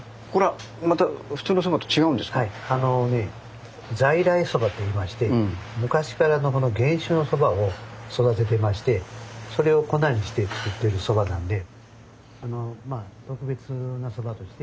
あのね在来そばといいまして昔からの原種のそばを育ててましてそれを粉にして作ってるそばなんで特別なそばとして。